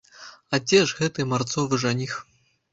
А дзе ж гэты марцовы жаніх?